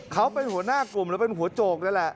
เขาเป็นหัวหน้ากลุ่มแล้วเป็นหัวโจกนี่แหละ